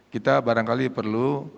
kita barangkali perlu